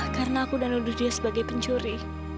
karena aku udah nuduh dia sebagai pencuri